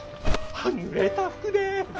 ぬれた服で。